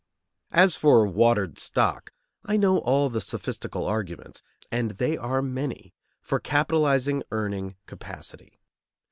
As for watered stock, I know all the sophistical arguments, and they are many, for capitalizing earning capacity.